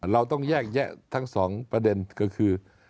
เราต้องแยกแยะทั้งสองประเด็นก็คือ